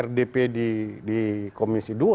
rdp di komisi dua